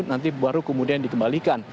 nanti baru kemudian dikembalikan